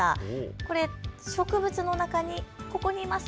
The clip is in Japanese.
これ、植物の中にここにいます。